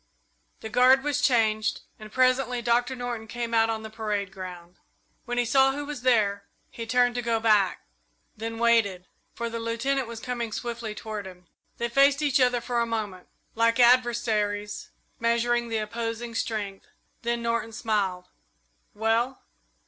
The guard was changed, and presently Doctor Norton came out on the parade ground. When he saw who was there, he turned to go back, then waited, for the Lieutenant was coming swiftly toward him. They faced each other for a moment, like adversaries measuring the opposing strength, then Norton smiled. "Well?"